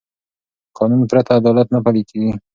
قانون پرته عدالت نه پلي کېږي